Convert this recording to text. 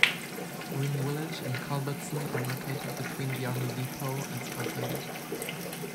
Green Village and Culbertson are located between the Army Depot and Scotland.